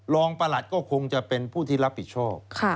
ประหลัดก็คงจะเป็นผู้ที่รับผิดชอบ